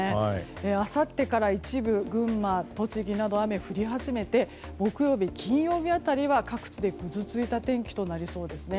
あさってから一部群馬、栃木など雨が降り始めて木曜日、金曜日辺りは各地でぐずついた天気となりそうです。